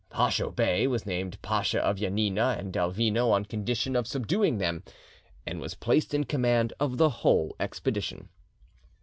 Pacho Bey was named Pasha of Janina and Delvino on condition of subduing them, and was placed in command of the whole expedition.